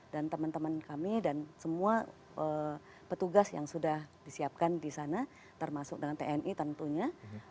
dan teman teman kami dan semua petugas yang sudah disiapkan di sana termasuk dengan tni tentunya